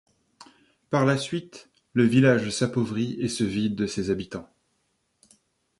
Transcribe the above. Par la suite, le village s'appauvrit et se vide de ses habitants.